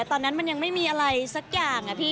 ตอนนั้นมันยังไม่มีอะไรสักอย่างอะพี่